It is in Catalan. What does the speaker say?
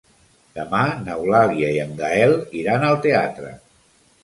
Demà n'Eulàlia i en Gaël iran al teatre.